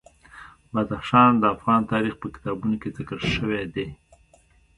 بدخشان د افغان تاریخ په کتابونو کې ذکر شوی دي.